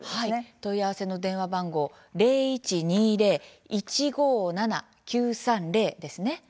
問い合わせの電話番号は０１２０−１５７−９３０ですね。